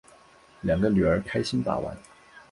两个女儿开心把玩